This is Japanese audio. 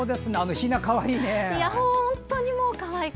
ひな、かわいいね。